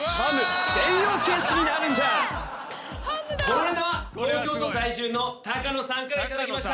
このネタは東京都在住の高野さんから頂きました。